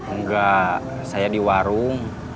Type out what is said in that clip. enggak saya di warung